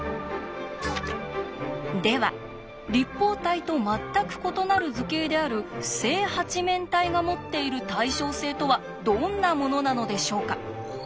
では立方体と全く異なる図形である正八面体が持っている対称性とはどんなものなのでしょうか？